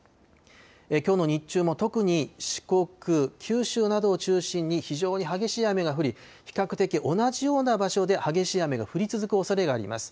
きょうの日中も特に四国、九州などを中心に、非常に激しい雨が降り、比較的同じような場所で激しい雨が降り続くおそれがあります。